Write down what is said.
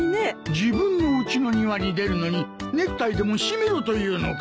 自分のうちの庭に出るのにネクタイでも締めろと言うのか？